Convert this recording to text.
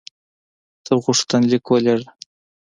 ته غوښتنلیک ولېږه.